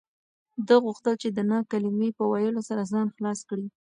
ده غوښتل چې د نه کلمې په ویلو سره ځان خلاص کړي.